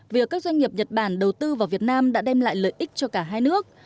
việc các doanh nghiệp nhật bản đầu tư vào việt nam đã đem lại lợi ích cho cả hai nước